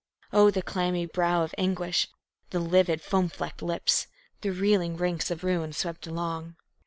Oh, the clammy brow of anguish! the livid, foam flecked lips! The reeling ranks of ruin swept along!